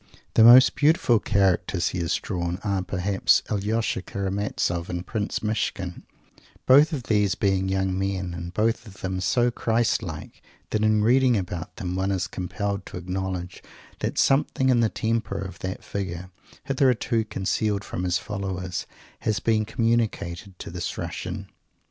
The most beautiful characters he has drawn are, perhaps, Alyosha Karamazov and Prince Myshkin; both of these being young men, and both of them so Christ like, that in reading about them one is compelled to acknowledge that something in the temper of that Figure, hitherto concealed from His followers, has been communicated to this Russian.